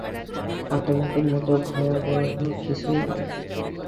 আতঙ্কের মতো ভয়াবহ কিছুই নেই।